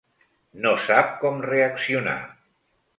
No sap com reaccionar.